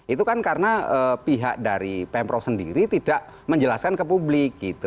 itu kan karena pihak dari pemprov sendiri tidak menjelaskan ke publik gitu